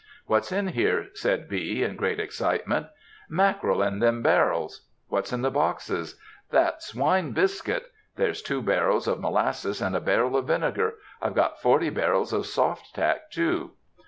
"What's in here?" said B. in great excitement. "Mack'rel in them barrels." "What's in the boxes!" "That's wine biscuit. There's two barrels of molasses and a barrel of vinegar. I've got forty barrels of soft tack, too."